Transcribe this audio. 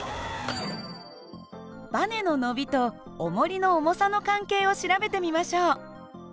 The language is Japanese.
ばねの伸びとおもりの重さの関係を調べてみましょう。